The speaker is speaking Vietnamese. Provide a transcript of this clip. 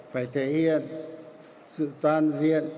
phải thể hiện sự toàn diện